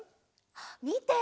みて！